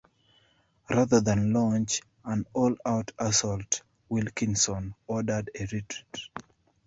Rather than launch an all-out assault, Wilkinson ordered a retreat.